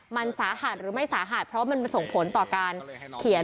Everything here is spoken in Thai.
มันสาหัสหรือไม่สาหัสเพราะว่ามันส่งผลต่อการเขียน